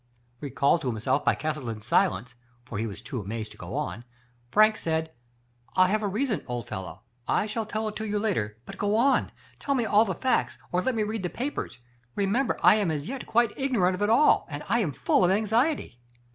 Recalled to himself by Castleton's silence, for he was too amazed to go on, Frank said :" I have a reason, old fellow ; I shall tell it to you later, but go on. Tell me all the facts, or let me read the papers. Remem ber I am as yet quite ignorant of it all and I am full of anxiety!